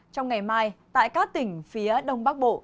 trong ngày mai tại các tỉnh phía đông bắc bộ